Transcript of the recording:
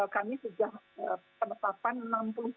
kami sudah penetapan